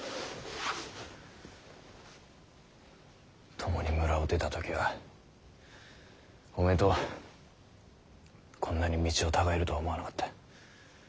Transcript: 共に村を出た時はおめぇとこんなに道を違えるとは思わなかった。